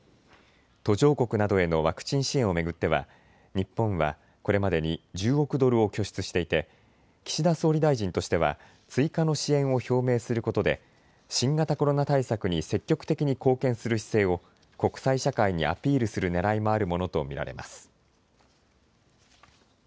途上国などへのワクチン支援を巡っては日本はこれまでに１０億ドルを拠出していて岸田総理大臣としては追加の支援を表明することで新型コロナ対策に積極的に貢献する姿勢を国際社会にアピールするねらいもあるものと見られます。